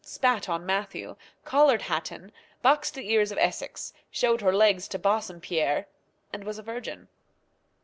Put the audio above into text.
spat on Matthew; collared Hatton; boxed the ears of Essex; showed her legs to Bassompierre; and was a virgin.